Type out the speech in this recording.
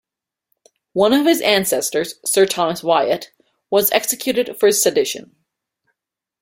One of his ancestors, Sir Thomas Wyatt, was executed for sedition.